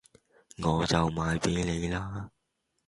我就賣俾你啦